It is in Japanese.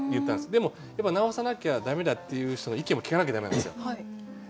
でも直さなきゃ駄目だっていう人の意見も聞かなきゃ駄目なんですよ。